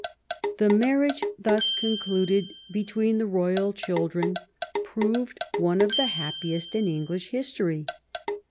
The marriage thus concluded between the royal children proved one of the happiest in English history.